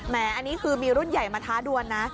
อันนี้คือมีรุ่นใหญ่มาท้าดวนนะ